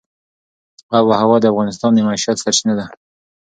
آب وهوا د افغانانو د معیشت سرچینه ده.